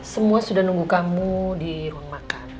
semua sudah nunggu kamu di ruang makan